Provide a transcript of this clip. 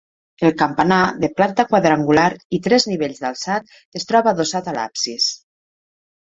El campanar, de planta quadrangular i tres nivells d'alçat, es troba adossat a l'absis.